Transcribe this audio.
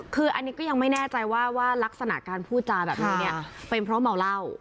คืออันนี้ก็ยังไม่แน่ใจว่ารักษณะการพูดจาแบบนี้เนี่ยเป็นเพราะเมาเหล้า